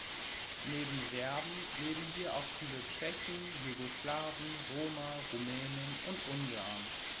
Neben Serben leben hier auch viele Tschechen, Jugoslawen, Roma, Rumänen und Ungarn.